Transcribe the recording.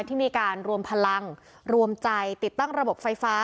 ที่มีการรวมพลังรวมใจติดตั้งระบบไฟฟ้า